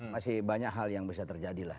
masih banyak hal yang bisa terjadi lah